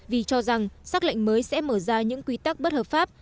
vì cho rằng xác lệnh mới sẽ mở ra những quy tắc bất hợp pháp